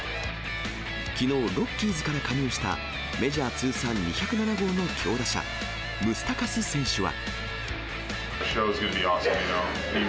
きのう、ロッキーズから加入した、メジャー通算２０７号の強打者、ムスタカス選手は。